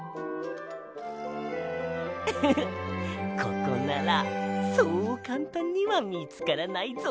ウフフッここならそうかんたんにはみつからないぞ。